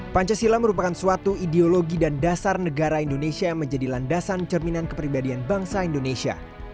pancasila merupakan suatu ideologi dan dasar negara indonesia yang menjadi landasan cerminan kepribadian bangsa indonesia